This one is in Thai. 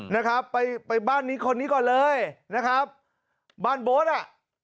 นะครับไปไปบ้านนี้คนนี้ก่อนเลยนะครับบ้านโบ๊ทอ่ะ